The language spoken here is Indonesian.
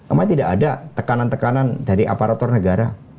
emang tidak ada tekanan tekanan dari aparatur negara